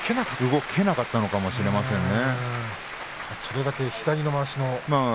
動けなかったのかもしれませんね。